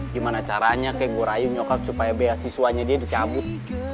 gimana caranya kayak gue rayu nyokap supaya beasiswanya dia dicabut